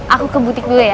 aku ke butik dulu ya